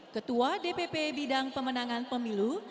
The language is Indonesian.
ketua dpp bidang pemenangan pemilu